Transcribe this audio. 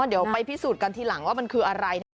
เดี๋ยวไปพิสูจน์กันทีหลังว่ามันคืออะไรนะคะ